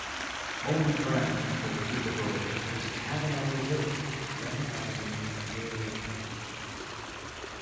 Home ground for the Kookaburras is Cavanagh Reserve, Venn Avenue Lalor Park.